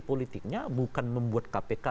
politiknya bukan membuat kpk